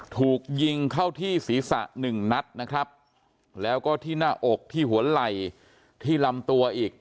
ถูกยิงเข้าที่ศีรษะหนึ่งนัดนะครับแล้วก็ที่หน้าอกที่หัวไหล่ที่ลำตัวอีก